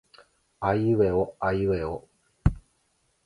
あいうえおあいえおう。